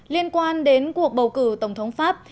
liên quan đến cuộc bầu cử tổng thống pháp